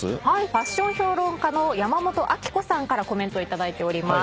ファッション評論家の山本あきこさんからコメント頂いております。